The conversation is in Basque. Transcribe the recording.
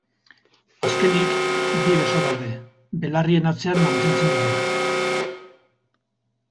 Azkenik, bi beso daude, belarrien atzean mantentzen direnak.